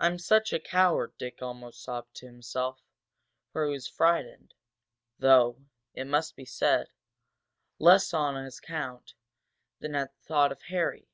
"I'm such a coward!" Dick almost sobbed to himself, for he was frightened, though, it must be said, less on his account than at the thought of Harry.